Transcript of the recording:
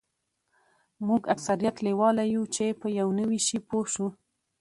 موږ اکثریت لیواله یوو چې په یو نوي شي پوه شو